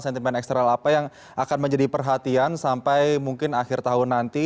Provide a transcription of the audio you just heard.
sentimen eksternal apa yang akan menjadi perhatian sampai mungkin akhir tahun nanti